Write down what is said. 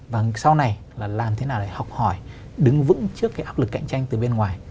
và sau này là làm thế nào để học hỏi đứng vững trước cái áp lực cạnh tranh từ bên ngoài